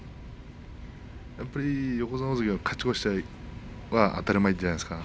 やっぱり横綱大関は勝ち越しは当たり前じゃないですか。